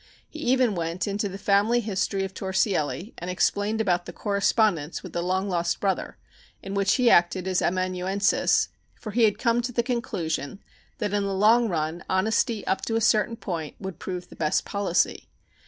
He even went into the family history of Torsielli and explained about the correspondence with the long lost brother, in which he acted as amanuensis, for he had come to the conclusion that in the long run honesty (up to a certain point) would prove the best policy.